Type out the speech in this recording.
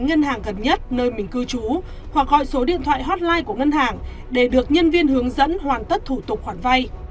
ngân hàng gần nhất nơi mình cư trú hoặc gọi số điện thoại hotline của ngân hàng để được nhân viên hướng dẫn hoàn tất thủ tục khoản vay